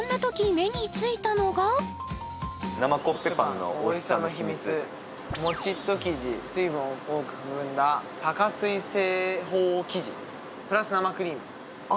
目についたのが生コッペパンのおいしさのヒミツもちっと生地水分を多く含んだ多加水製法生地＋生クリームあ